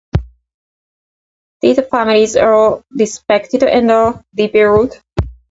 These families are respected and revered.